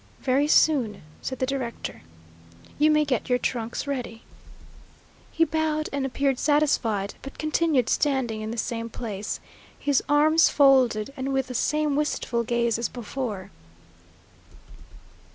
"Very soon," said the director. "You may get your trunks ready." He bowed and appeared satisfied, but continued standing in the same place, his arms folded, and with the same wistful gaze as before.